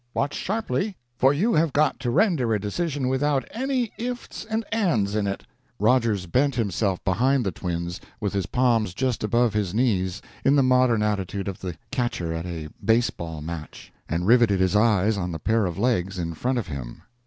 Watch sharply, for you have got to render a decision without any if's and ands it." Rogers bent himself behind the twins with his palms just above his knees, in the modern attitude of the catcher at a baseball match, and riveted his eyes on the pair of legs in front of him.